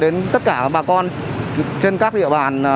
đến tất cả bà con trên các địa bàn